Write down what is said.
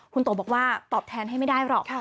คุณโตบอกว่าตอบแทนให้ไม่ได้หรอก